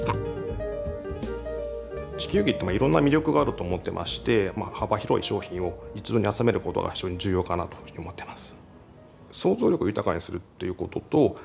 地球儀っていろんな魅力があると思ってまして幅広い商品を一堂に集めることが非常に重要かなというふうに思ってます。